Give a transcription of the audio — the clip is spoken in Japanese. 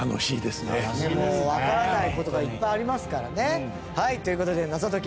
もうわからない事がいっぱいありますからね。という事で『謎解き！